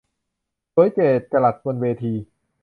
สวยเจิดจรัสบนเวที